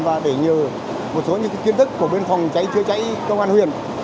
và để nhờ một số những kiến thức của bên phòng cháy chữa cháy công an huyện